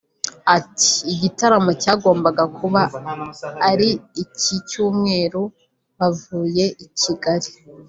Ati “Igitaramo cyagombaga kuba muri iki cyumweru bavuye i Kigali